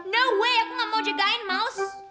no way aku enggak mau jagain maus